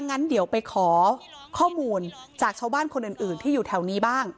งั้นเดี๋ยวไปขอข้อมูลจากชาวบ้านคนอื่นที่อยู่แถวนี้บ้าง